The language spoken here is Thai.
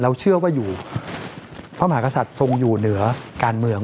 เชื่อว่าอยู่พระมหากษัตริย์ทรงอยู่เหนือการเมือง